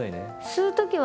吸う時は？